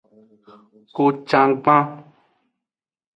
Kocangban.